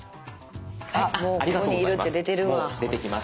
あもうここにいるって出てるわ。